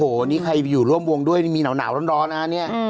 โอ้โหนี่ใครอยู่ร่วมวงด้วยนี่มีหนาวร้อนนะเนี่ย